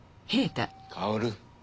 薫。